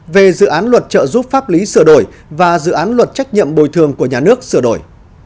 về dự án luật trợ giúp pháp lý sửa đổi và dự án luật trách nhiệm bồi thường của nhà nước sửa đổi